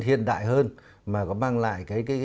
hiện đại hơn mà có mang lại cái